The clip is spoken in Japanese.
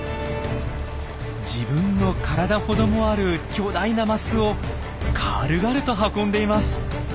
自分の体ほどもある巨大なマスを軽々と運んでいます。